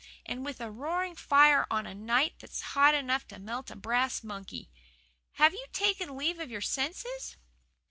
And with a roaring fire on a night that's hot enough to melt a brass monkey! Have you taken leave of your senses?"